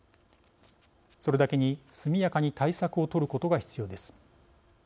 それだけに、速やかに対策を取ることが必要です。